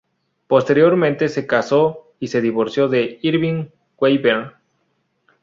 Posteriormente se casó y se divorció de Irving Weinberg.